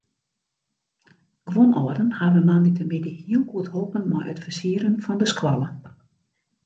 Guon âlden hawwe moandeitemiddei hiel goed holpen mei it fersieren fan de skoalle.